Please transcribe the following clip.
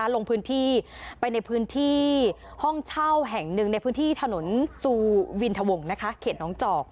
ลงพื้นที่ไปในพื้นที่ห้องเช่าแห่งหนึ่งในพื้นที่ถนนจูวินทวงเขตน้องจอก